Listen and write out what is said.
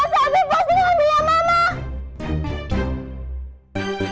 jadi bukan ngejelek jelekin hp indri